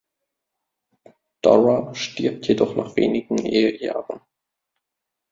Dora stirbt jedoch nach wenigen Ehejahren.